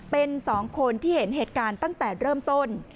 เป็น๒คนที่เห็นเหตุการณ์ตั้งแต่เริ่มต้น